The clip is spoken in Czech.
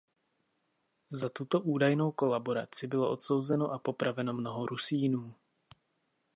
Za tuto údajnou kolaboraci bylo odsouzeno a popraveno mnoho Rusínů.